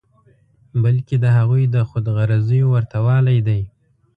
بلکې د هغوی د خود غرضیو ورته والی دی.